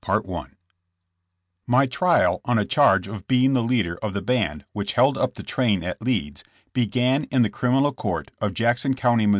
|Y trial on a charge of being the leader of the band which held up the train at Leeds, began in the criminal court of Jackson County, Mo.